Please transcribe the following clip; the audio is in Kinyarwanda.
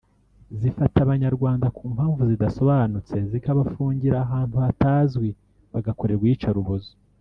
zifata abanyarwanda ku mpamvu zidasobanutse zikabafungira ahantu hatazwi bagakorerwa iyicarubozo